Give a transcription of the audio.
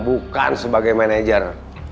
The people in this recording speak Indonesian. bukan sebagai manajer